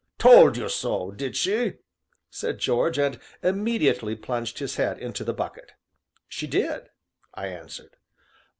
"Told you so, did she?" said George, and immediately plunged his head into the bucket. "She did," I answered.